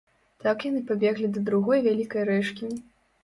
Так яны дабеглі да другой, вялікай рэчкі.